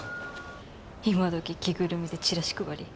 今どき着ぐるみでチラシ配り？